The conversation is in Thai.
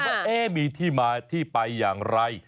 ว่ามีที่มาที่ไปอย่างไร